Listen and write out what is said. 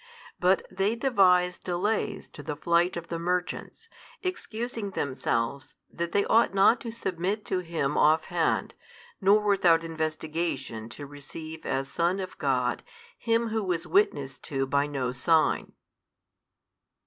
But they devise delays to the flight of the merchants, excusing themselves that they ought not to submit to Him off hand, nor without investigation to receive as Son of God Him Who was witnessed to by no sign.